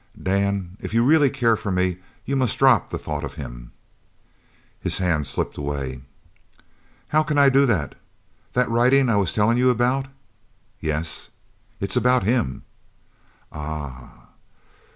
"Dan, if you really care for me you must drop the thought of him." His hand slipped away. "How can I do that? That writin' I was tellin' you about " "Yes?" "It's about him!" "Ah!"